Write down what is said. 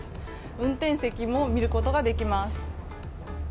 運転席も見ることができます。